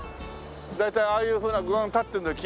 大体ああいうふうな具合に立ってるんだよ。